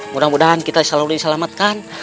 mudah mudahan kita selalu diselamatkan